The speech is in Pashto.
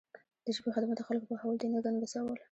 د ژبې خدمت د خلکو پوهول دي نه ګنګسول.